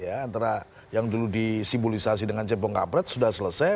antara yang dulu disimulisasi dengan jempol ngapret sudah selesai